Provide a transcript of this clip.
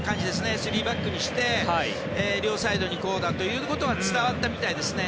３バックにして両サイドにこうだということは伝わったみたいですね。